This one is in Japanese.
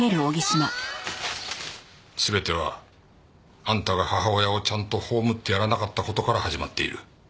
全てはあんたが母親をちゃんと葬ってやらなかった事から始まっている。